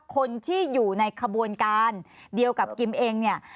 คนที่อยู่ในขบวนการเดียวกับกิมเองเนี่ย